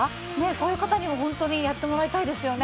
そういう方にはホントにやってもらいたいですよね。